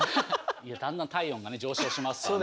だんだん体温が上昇しますからね。